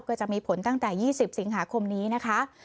ก็จะมีผลตั้งแต่๒๐สิงหาคมนี้นะคะ